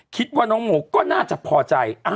คิดว่าน้องโมก็น่าจะพอใจ